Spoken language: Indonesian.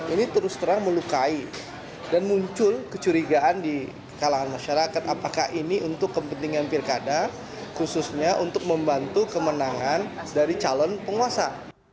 ini terus terang melukai dan muncul kecurigaan di kalangan masyarakat apakah ini untuk kepentingan pilkada khususnya untuk membantu kemenangan dari calon penguasa